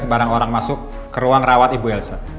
sebarang orang masuk ke ruang rawat ibu elsa